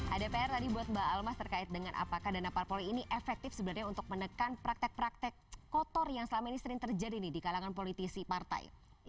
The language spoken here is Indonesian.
ada pr tadi buat mbak almas terkait dengan apakah dana parpol ini efektif sebenarnya untuk menekan praktek praktek kotor yang selama ini sering terjadi di kalangan politisi partai